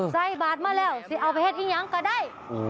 ใส่บาดมาแล้วเอาไปเผ็ดอีกอย่างก็ได้